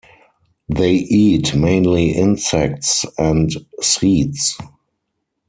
They eat mainly insects and seeds.